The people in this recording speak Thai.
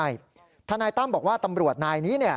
อันนี้ธนายตั้มบอกว่าตำรวจนายงี้